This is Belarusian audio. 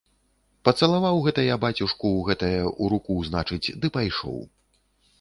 Пацалаваў гэта я бацюшку ў гэтае, у руку, значыць, ды пайшоў.